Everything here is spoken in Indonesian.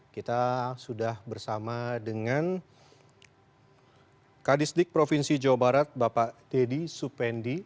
kita sudah bersama dengan kadisdik provinsi jawa barat bapak deddy supendi